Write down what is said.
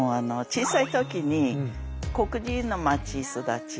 小さいときに黒人の街育ち。